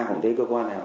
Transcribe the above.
cũng thế cơ quan nào